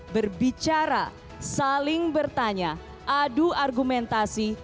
berbicara saling bertanya adu argumentasi